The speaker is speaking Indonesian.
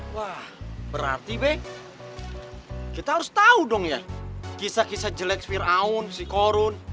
wah berarti be kita harus tahu dong ya kisah kisah jelek fir'aun si korun